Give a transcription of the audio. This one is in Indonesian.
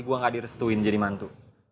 gue gak direstuin jadi mantu